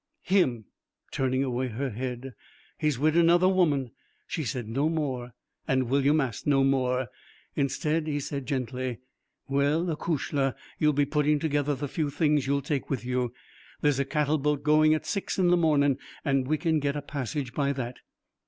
'Him,' turning away her head, 'he's wid another woman.' She said no more, and William asked no more. Instead, he said gently, 'Well, acushla, you'll be putting together the few things you'll take with you. There's a cattle boat going at six in the mornin', an' we can get a passage by that.'